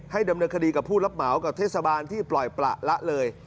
ดำเนินคดีกับผู้รับเหมากับเทศบาลที่ปล่อยประละเลย